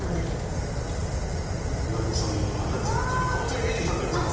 えなこさんの形がちょっとカボチャに見えてきたんじゃないんですか！